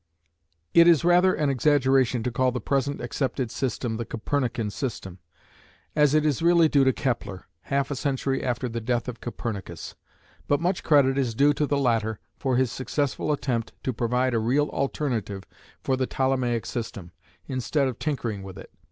It is rather an exaggeration to call the present accepted system the Copernican system, as it is really due to Kepler, half a century after the death of Copernicus, but much credit is due to the latter for his successful attempt to provide a real alternative for the Ptolemaic system, instead of tinkering with it.